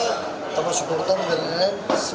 kita butuh supporter dan lain lain